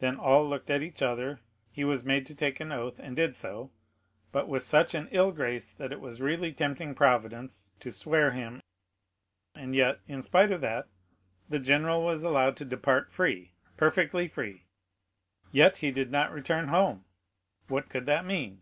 Then all looked at each other,—he was made to take an oath, and did so, but with such an ill grace that it was really tempting Providence to swear thus, and yet, in spite of that, the general was allowed to depart free—perfectly free. Yet he did not return home. What could that mean?